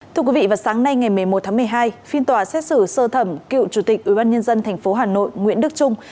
thưa quý vị vào sáng nay ngày một mươi một tháng một mươi hai phiên tòa xét xử sơ thẩm cựu chủ tịch ubnd tp hà nội nguyễn đức trung